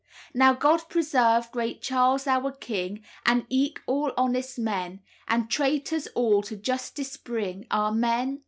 "Now God preserve great Charles our king, And eke all honest men, And traitors all to justice bring: Amen!